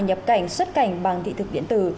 nhập cảnh xuất cảnh bằng thị thực điện tử